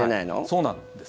そうなんです。